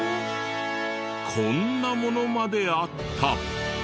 こんなものまであった。